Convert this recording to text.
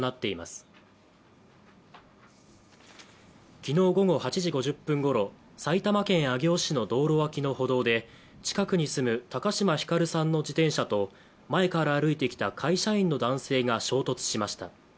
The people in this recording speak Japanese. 昨日午後８時５０分ごろ埼玉県上尾市の道路脇の歩道で近くに住む高島輝さんの自転車と前から歩いてきた会社員の男性が衝突しました。